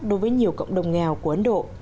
đối với nhiều cộng đồng nghèo của ấn độ